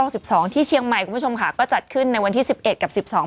ที่เชียงใหม่คุณผู้ชมค่ะก็จัดขึ้นในวันที่สิบเอ็ดกับสิบสอง